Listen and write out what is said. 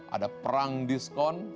ada perang diskon